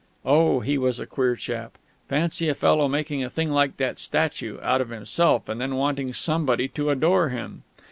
Oh, he was a queer chap! Fancy, a fellow making a thing like that statue, out of himself, and then wanting somebody to adore him!